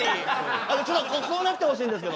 あのちょっとこうなってほしいんですけどね。